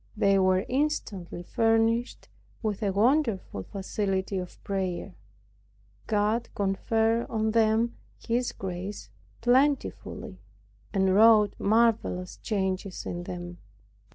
They were instantly furnished with a wonderful facility of prayer. God conferred on them His grace plentifully, and wrought marvelous changes in them.